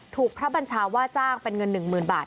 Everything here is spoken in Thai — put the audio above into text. พระบัญชาว่าจ้างเป็นเงิน๑๐๐๐บาท